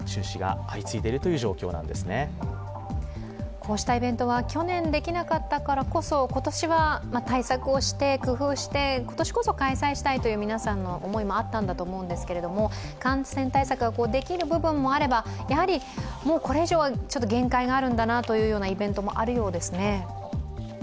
こうしたイベントは去年できなかったからこそ今年は対策をして、工夫して、今年こそ開催したいという皆さんの思いもあったと思うんですけれど感染対策ができる部分もあれば、これ以上は限界があるんだなというイベントもあるようですね？